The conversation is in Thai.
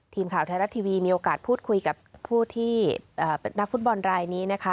ทีมข่าวไทยรัฐทีวีมีโอกาสพูดคุยกับผู้ที่เป็นนักฟุตบอลรายนี้นะคะ